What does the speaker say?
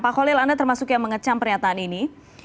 pak kholil anda termasuk yang mengecam pernyataan ini